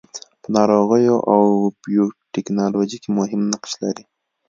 په ناروغیو او بیوټیکنالوژي کې مهم نقش لري.